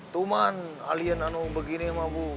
tuman alien begini mabuh